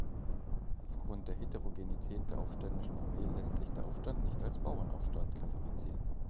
Aufgrund dieser Heterogenität der aufständischen Armee lässt sich der Aufstand nicht als „Bauernaufstand“ klassifizieren.